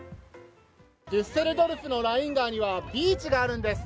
デュッセルドルフのライン川にはビーチがあるんです。